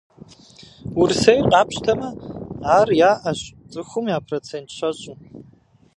Урысейр къапщтэмэ, ар яӏэщ цӏыхум я процент щэщӏым.